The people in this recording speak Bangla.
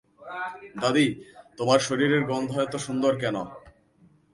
দাদী, তোমার শরীরের গন্ধ এতো সুন্দর কেন?